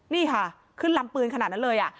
นี่ค่ะขึ้นลำปืนขนาดนั้นเลย